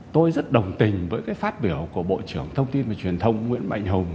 tôi rất đồng tình với cái phát biểu của bộ trưởng thông tin và truyền thông nguyễn mạnh hùng